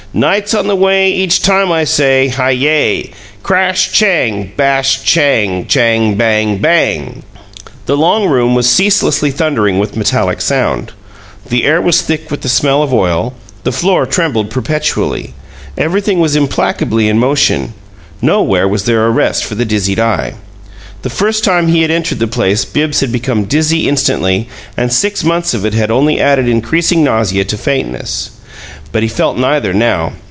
NIGHT'S on the way EACH time I say, Hi YAY! Crash, chang! Bash, chang! Chang, bang, BANG! The long room was ceaselessly thundering with metallic sound; the air was thick with the smell of oil; the floor trembled perpetually; everything was implacably in motion nowhere was there a rest for the dizzied eye. The first time he had entered the place Bibbs had become dizzy instantly, and six months of it had only added increasing nausea to faintness. But he felt neither now.